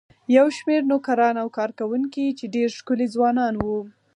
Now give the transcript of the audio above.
یو شمېر نوکران او کارکوونکي چې ډېر ښکلي ځوانان وو.